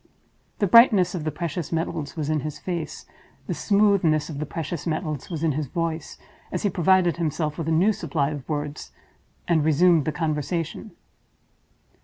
The brightness of the precious metals was in his face, the smoothness of the precious metals was in his voice, as he provided himself with a new supply of words, and resumed the conversation.